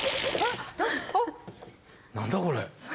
何だこれ？